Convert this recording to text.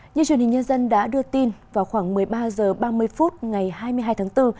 như truyền hình nhân dân đã đưa tin vào khoảng một mươi ba h ba mươi phút ngày hai mươi hai tháng bốn